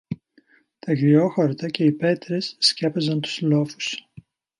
Τ' αγριόχορτα και οι πέτρες σκέπαζαν τους λόφους